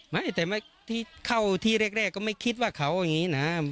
ไม่แต่ที่เข้าที่แรกก็ไม่คิดว่าเขาอย่างนี้นะ